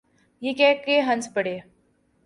یہ کہہ کے ہنس پڑے۔